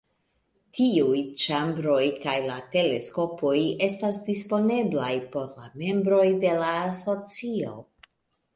Tiuj ĉambroj kaj la teleskopoj estas disponblaj por la membroj de la asocio.